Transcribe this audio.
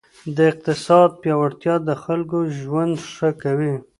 د اقتصاد پیاوړتیا د خلکو ژوند ښه کوي.